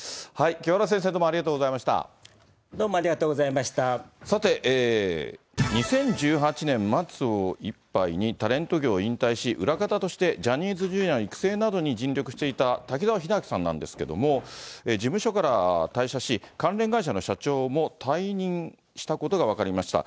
清原先生、どうもありがとうござどうもありがとうございましさて、２０１８年末をいっぱいにタレント業を引退し、裏方としてジャニーズＪｒ．の育成などに尽力していた滝沢秀明さんなんですけれども、事務所から退社し、関連会社の社長も退任したことが分かりました。